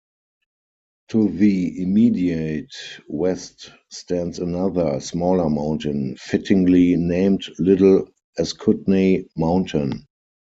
To the immediate west stands another, smaller mountain, fittingly named Little Ascutney Mountain.